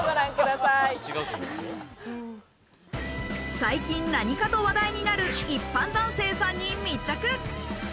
最近何かと話題になる一般男性さんに密着。